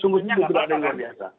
sungguhnya tidak ada yang luar biasa